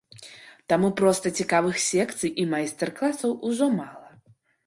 Таму проста цікавых секцый і майстар-класаў ужо мала.